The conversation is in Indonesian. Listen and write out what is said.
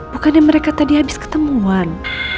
bukannya mereka tadi habis ketemuan